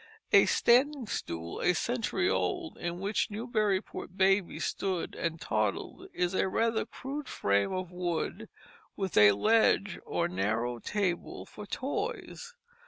A standing stool a century old in which Newburyport babies stood and toddled is a rather crude frame of wood with a ledge or narrow table for toys.